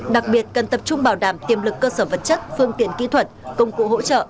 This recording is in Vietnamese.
đặc biệt cần tập trung bảo đảm tiềm lực cơ sở vật chất phương tiện kỹ thuật công cụ hỗ trợ